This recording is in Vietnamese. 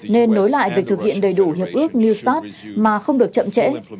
nên nối lại việc thực hiện đầy đủ hiệp ước new start mà không được chậm trễ